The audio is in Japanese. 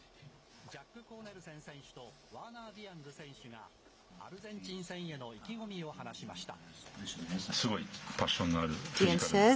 ジャック・コーネルセン選手と、ワーナー・ディアンズ選手がアルゼンチン戦への意気込みを話しました。